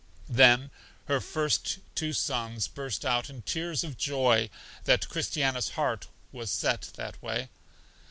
Then her first two sons burst out in tears of joy that Christiana's heart was set that way.